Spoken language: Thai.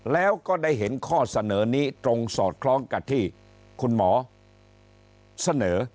แล้วก็ได้เห็นข้อเสนอนี้ตรงสอดคล้องกับที่คุณหมอเสนอ